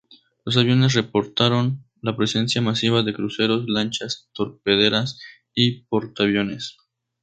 Los aviones reportaron la presencia masiva de cruceros, lanchas torpederas y portaaviones.